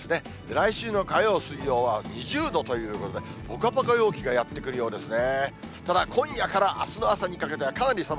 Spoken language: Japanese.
来週の火曜、水曜は２０度ということで、ぽかぽか陽気がやって来るようですね。